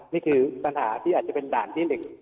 นี่คือปัญหาที่อาจจะเป็นด่านที่๑